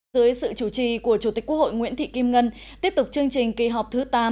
dưới sự chủ trì của chủ tịch quốc hội nguyễn thị kim ngân tiếp tục chương trình kỳ họp thứ tám